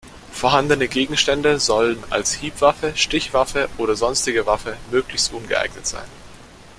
Vorhandene Gegenstände sollen als Hiebwaffe, Stichwaffe oder sonstige Waffe möglichst ungeeignet sein.